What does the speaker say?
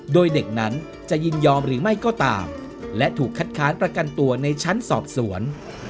โดยเด็กนั้นจะยินยอมหรือไม่ก็ตามและถูกคัดค้านประกันตัวในชั้นสอบสวน